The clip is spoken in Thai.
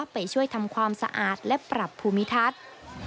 ไปช่วยทำความสะอาดและปรับภูมิทัศน์